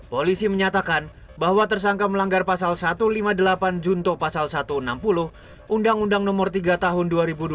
polisi menyatakan bahwa tersangka melanggar pasal satu ratus lima puluh delapan junto pasal satu ratus enam puluh undang undang nomor tiga tahun dua ribu dua puluh